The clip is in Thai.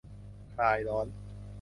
คลายร้อน